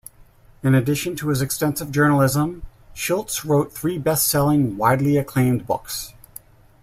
In addition to his extensive journalism, Shilts wrote three best-selling, widely acclaimed books.